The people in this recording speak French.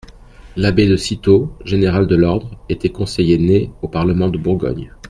L'abbé de Cîteaux, général de l'ordre, était conseiller-né au parlement de Bourgogne.